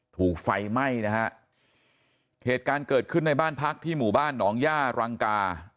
ถูกไฟไหม้นะฮะเหตุการณ์เกิดขึ้นในบ้านพักที่หมู่บ้านหนองย่ารังกา